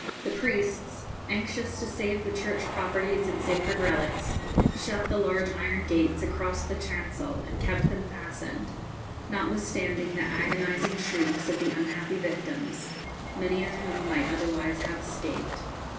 The priests, anxious to save the church properties and sacred relics, shut the large iron gates across the chancel and kept them fastened, notwithstanding the agonising shrieks of the unhappy victims, many of whom might otherwise have escaped.